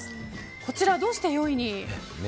こちら、どうして４位に？